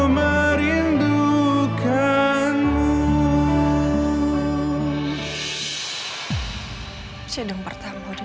mas dash siendo patah lace di sini